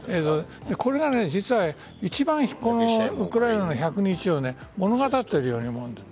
これが実は一番ウクライナの１００日を物語っているように思うんです。